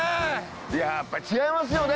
いややっぱ違いますよね